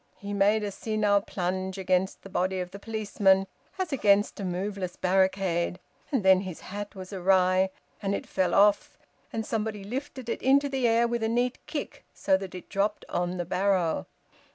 He made a senile plunge against the body of the policeman, as against a moveless barricade, and then his hat was awry and it fell off, and somebody lifted it into the air with a neat kick so that it dropped on the barrow.